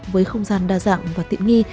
với không gian đa dạng và tiện nghi